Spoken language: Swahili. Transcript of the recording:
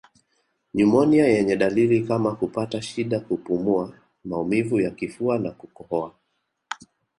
Nyumonia yenye dalili kama kupata shida kupumua maumivu ya kifua na kukohoa